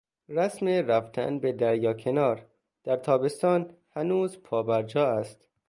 رسم رفتن به دریاکنار در تابستان هنوز پابرجا است.